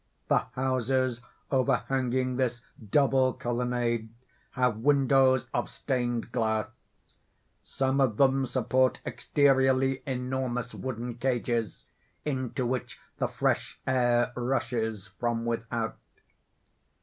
The houses overhanging this double colonnade have windows of stained glass. Some of them support exteriorly enormous wooden cages, into which the fresh air rushes from without.